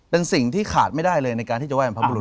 เป็นสิ่งที่ขาดไม่ได้เลยในการที่จะไห้บรรพบุรุษ